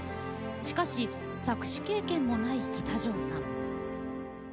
しかし作詞経験もない喜多條さん。